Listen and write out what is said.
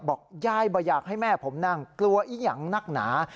บอกยายบอกอยากให้แม่ผมนั่งกลัวอียังนักหนา